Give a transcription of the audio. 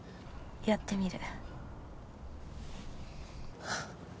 やってみる。